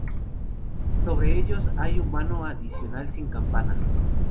Sobre ellos hay un vano adicional sin campana.